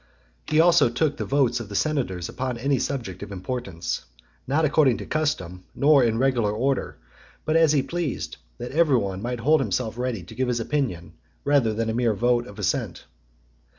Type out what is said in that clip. He also took the votes of the senators upon any subject of importance, not according to custom, nor in regular order, but as he pleased; that every one might hold himself ready to give his opinion, rather than a mere vote of assent.